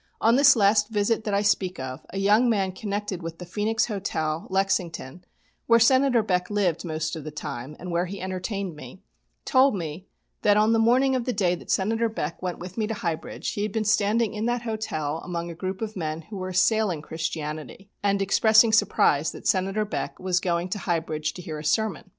On this last visit that I speak of, a young man connected with the Phoenix Hotel, Lexington, where Senator Beck lived much of the time, and where he entertained me, told me that on the morning of the day that Senator Beck went with me to High Bridge he had been standing in that hotel among a group of men who were assailing Christianity, and expressing surprise that Senator Beck was going to High Bridge to hear a sermon.